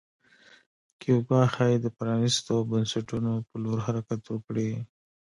کیوبا ښايي د پرانیستو بنسټونو په لور حرکت وکړي.